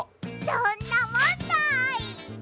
どんなもんだい！